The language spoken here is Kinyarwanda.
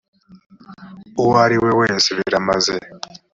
uwo ari we wese biramaze.